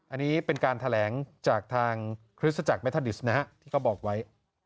อันนี้เป็นการแถลงจากทางคริสตจักรเมทาดิสนะฮะที่เขาบอกไว้